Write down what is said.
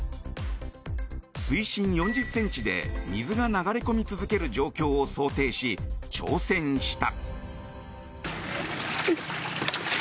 水深４０ｃｍで水が流れ込み続ける状況を想定し挑戦した。